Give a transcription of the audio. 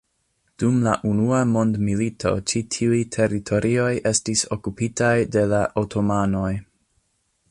Dum la Unua Mondmilito ĉi tiuj teritorioj estis okupitaj de la otomanoj.